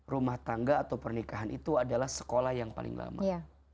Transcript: rumah tangga atau pernikahan itu adalah sekolah yang paling lama